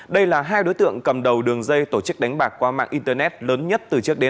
đây là hai đối tượng cầm đầu đường dây tổ chức đánh bạc qua mạng internet lớn nhất